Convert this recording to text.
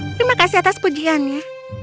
terima kasih atas pujiannya